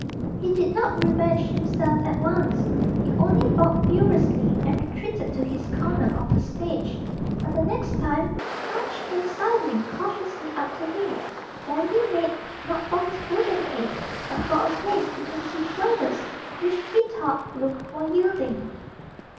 He did not revenge himself at once: he only barked furiously and retreated to his corner of the stage; but the next time Punch came sidling cautiously up to him, Dandy made, not for his wooden head, but for a place between his shoulders which he thought looked more yielding.